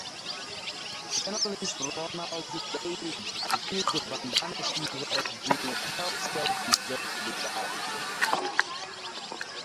Journalist Ronald Bailey accused Vandana Shiva of being a "proud self-declared luddite".